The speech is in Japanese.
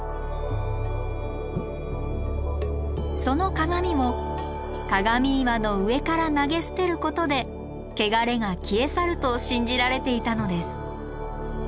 その鏡を鏡岩の上から投げ捨てることで汚れが消え去ると信じられていたのです。